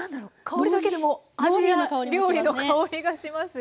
香りだけでもアジア料理の香りがします。